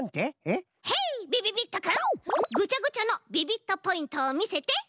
ヘイびびびっとくんぐちゃぐちゃのビビットポイントをみせて。